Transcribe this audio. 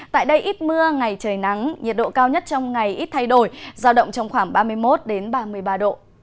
tại đây ít mưa ngày trời nắng nhiệt độ cao nhất trong ngày ít thay đổi giao động trong khoảng ba mươi một ba mươi ba độ